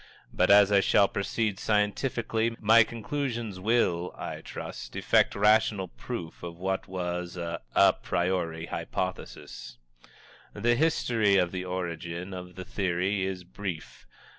But as I shall proceed scientifically, my conclusion will, I trust, effect rational proof of what was an a priori hypothesis. The history of the origin of the theory is brief.